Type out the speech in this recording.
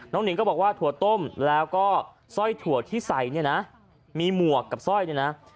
หนิงก็บอกว่าถั่วต้มแล้วก็สร้อยถั่วที่ใส่เนี่ยนะมีหมวกกับสร้อยเนี่ยนะ